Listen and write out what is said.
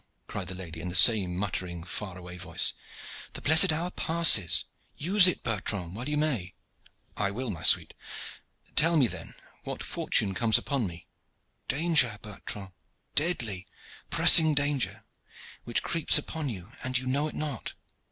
cried the lady in the same muttering far away voice, "the blessed hour passes. Use it, Bertrand, while you may." "I will, my sweet. Tell me, then, what fortune comes upon me?" "Danger, Bertrand deadly, pressing danger which creeps upon you and you know it not."